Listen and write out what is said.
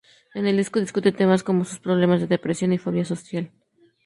En el disco discute temas como sus problemas de depresión y fobia social.